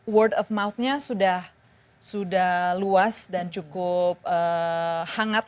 world of mouth nya sudah luas dan cukup hangat